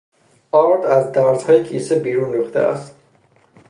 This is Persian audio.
آرد از درزهای کیسه بیرون ریخته است.